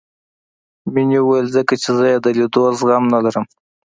مينې وويل ځکه چې زه يې د ليدو زغم نه لرم.